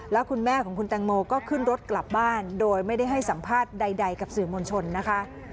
แล้วคุณแม่ของคุณแตงโมก็ขึ้นรถกลับบ้านโดยไม่ได้ให้สัมภาษณ์ใดกับสื่อมวลชนนะคะ